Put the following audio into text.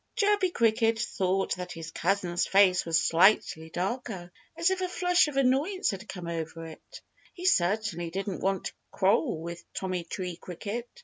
_" Chirpy Cricket thought that his cousin's face was slightly darker, as if a flush of annoyance had come over it. He certainly didn't want to quarrel with Tommy Tree Cricket.